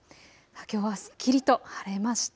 きょうはすっきりと晴れました。